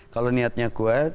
kalau niatnya kuat